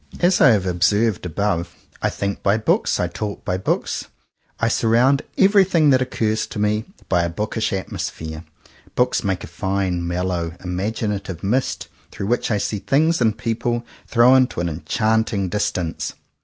As I have observed above, I think by books, I talk by books, I surround every thing that occurs to me by a bookish at mosphere. Books make a fine, mellow, imaginative mist, through which I see things and people thrown to an enchanting distance.